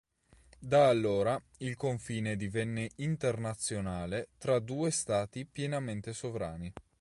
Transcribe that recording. Da allora il confine divenne internazionale tra due stati pienamente sovrani.